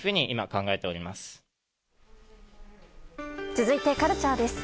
続いてカルチャーです。